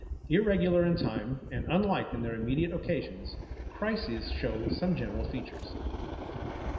_Irregular in time, and unlike in their immediate occasions, crises show some general features.